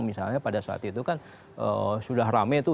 misalnya pada saat itu kan sudah rame tuh